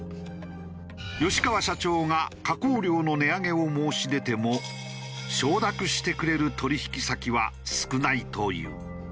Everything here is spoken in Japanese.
吉川社長が加工料の値上げを申し出ても承諾してくれる取引先は少ないという。